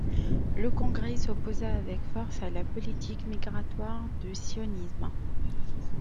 Le congrès s'opposa avec force à la politique migratoire du Sionisme.